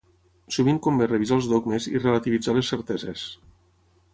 Sovint convé revisar els dogmes i relativitzar les certeses.